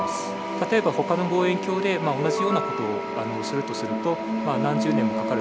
例えばほかの望遠鏡で同じような事をするとすると何十年もかかると。